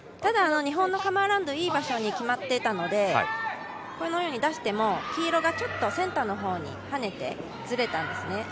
日本のカム・アラウンド、いいところに決まっていたのでこのように出しても、黄色がちょっとセンターの方にはねてずれたんですね。